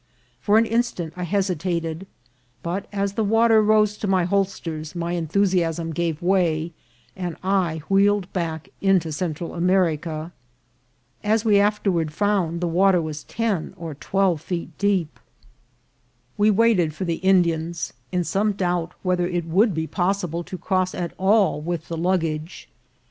For an instant I hesitated ; but as the water rose to my holsters my enthusiasm gave way, and I wheeled back into Central America. As we afterward found, the water was ten or twelve feet deep. We waited for the Indians, in some doubt whether it would be possible to cross at all with the luggage.